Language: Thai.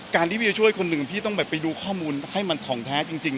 การที่จะช่วยคนอื่นพี่ต้องไปดูข้อมูลให้มันถ่องแท้จริง